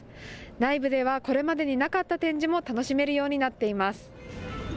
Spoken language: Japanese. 内部ではこれまでになかった展示も楽しめるようになっています。